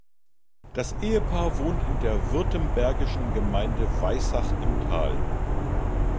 Das Ehepaar wohnt in der württembergischen Gemeinde Weissach im Tal.